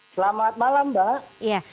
selamat malam mbak